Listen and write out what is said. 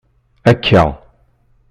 Akka!